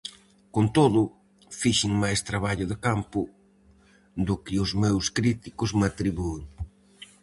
Con todo, "fixen máis traballo de campo do que os meus críticos me atribúen".